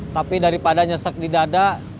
tapi daripada nyesek di dada